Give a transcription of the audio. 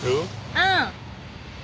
うん。